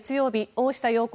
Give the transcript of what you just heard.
「大下容子